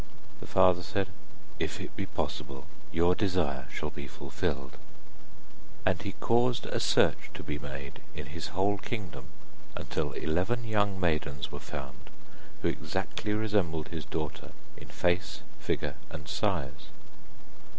The father said: 'If it be possible, your desire shall be fulfilled,' and he caused a search to be made in his whole kingdom, until eleven young maidens were found who exactly resembled his daughter in face, figure, and size.